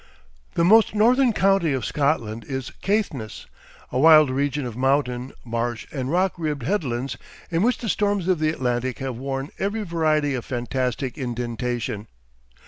The most northern county of Scotland is Caithness, a wild region of mountain, marsh, and rock ribbed headlands, in which the storms of the Atlantic have worn every variety of fantastic indentation.